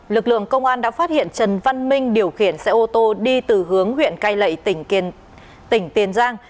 lực lượng công an đã phát hiện trần văn minh điều khiển xe ô tô đi từ hướng huyện cai lậy tỉnh tiền giang